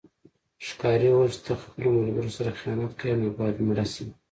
ښکاري وویل چې ته خپلو ملګرو سره خیانت کوې نو باید مړه شې.